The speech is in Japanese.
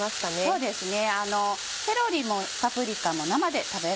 そうですね。